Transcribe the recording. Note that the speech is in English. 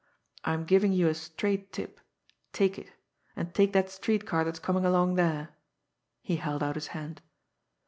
"I am giving you a straight tip. Take it and take that street car that's coming along there." He held out his hand.